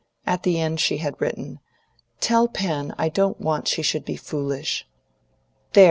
At the end she had written, "Tell Pen I don't want she should be foolish." "There!"